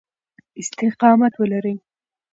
استقامت ولرئ.